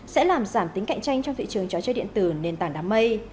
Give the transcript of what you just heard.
sẽ làm giảm tính cạnh tranh trong thị trường trò chơi điện tử nền tảng đám mây